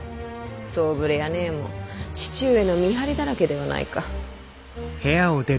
総触れや閨も父上の見張りだらけではないか。